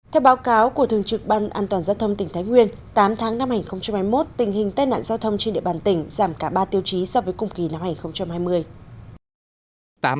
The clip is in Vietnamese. theo báo cáo của thường trực ban an toàn giao thông tỉnh thái nguyên tám tháng năm hai nghìn hai mươi một tình hình tai nạn giao thông trên địa bàn tỉnh giảm cả ba tiêu chí so với cùng kỳ năm hai nghìn hai mươi